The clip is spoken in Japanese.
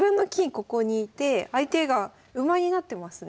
ここにいて相手が馬になってますね。